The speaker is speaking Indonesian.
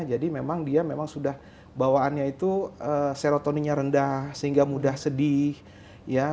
jadi memang dia memang sudah bawaannya itu serotoninnya rendah sehingga mudah sedih ya